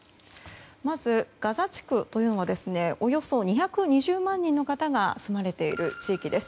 まず、ガザ地区というのはおよそ２２０万人の方が住まれている地域です。